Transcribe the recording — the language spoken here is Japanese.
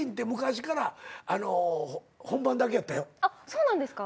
そうなんですか？